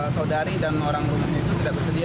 saudari dan orang rumahnya itu tidak bersedia